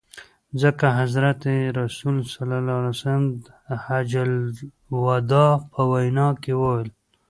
ځکه حضرت رسول ص د حجة الوداع په وینا کي وویل.